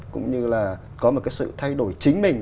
cũng như là có một cái sự thay đổi chính mình